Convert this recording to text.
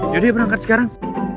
yaudah berangkat sekarang